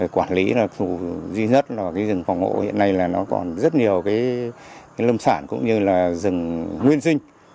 quản lý là thứ duy nhất rừng phòng hộ hiện nay còn rất nhiều lâm sản cũng như rừng nguyên sinh